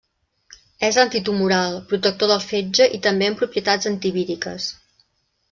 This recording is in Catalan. És antitumoral, protector del fetge i també amb propietats antivíriques.